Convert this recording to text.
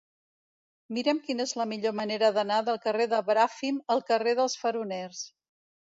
Mira'm quina és la millor manera d'anar del carrer de Bràfim al carrer dels Faroners.